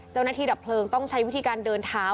ดับเพลิงต้องใช้วิธีการเดินเท้า